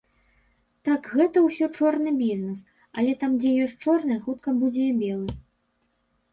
Так, гэта ўсё чорны бізнес, але там дзе ёсць чорны, хутка будзе і белы.